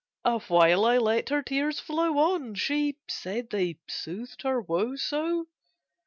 Awhile I let her tears flow on, She said they soothed her woe so!